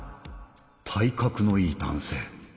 体格のいい男性。